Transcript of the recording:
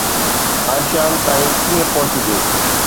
آشيان تائين ڪيئن پهچجي؟